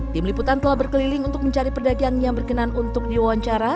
tim liputan telah berkeliling untuk mencari pedagang yang berkenan untuk diwawancara